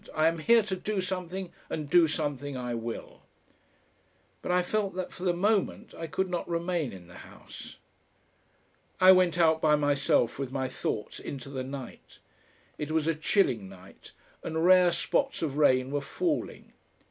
I am here to do something, and do something I will!" But I felt that for the moment I could not remain in the House. I went out by myself with my thoughts into the night. It was a chilling night, and rare spots of rain were falling.